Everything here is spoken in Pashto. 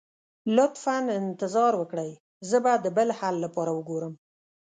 لطفا انتظار وکړئ، زه به د بل حل لپاره وګورم.